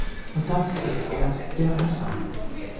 Und das ist erst der Anfang!